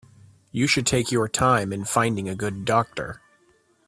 You should take your time in finding a good doctor.